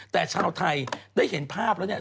แต่ชาวไทยได้เห็นภาพแล้วเนี่ย